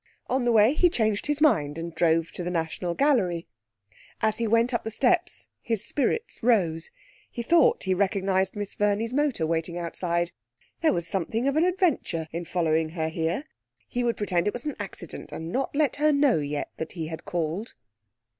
On the way he changed his mind, and drove to the National Gallery. As he went up the steps his spirits rose. He thought he recognised Miss Verney's motor waiting outside. There was something of an adventure in following her here. He would pretend it was an accident, and not let her know yet that he had called.